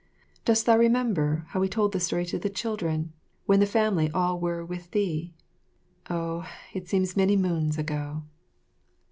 Dost thou remember how we told the story to the children when the family all were with thee oh, it seems many moons ago.